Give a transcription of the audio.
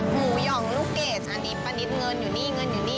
หมูหย่องลูกเกจอันนี้ปานิตเงินอยู่นี่